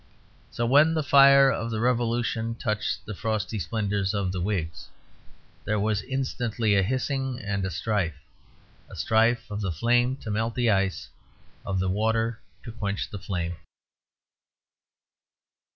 So when the red fire of the Revolution touched the frosty splendours of the Whigs, there was instantly a hissing and a strife; a strife of the flame to melt the ice, of the water to quench the flame.